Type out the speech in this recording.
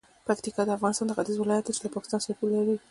پکتیکا د افغانستان د ختیځ ولایت دی چې له پاکستان سره پوله لري.